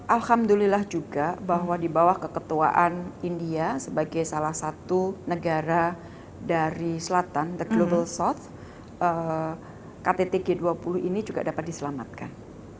alhamdulillah juga bahwa di bawah keketuaan india sebagai salah satu negara dari selatan the global south ktt g dua puluh ini juga dapat diselamatkan